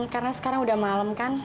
karena sekarang udah malem kan